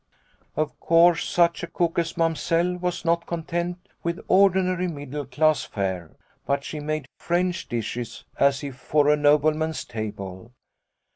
" Of course such a cook as Mamsell was not content with ordinary middle class fare, but she made French dishes as if for a nobleman's table.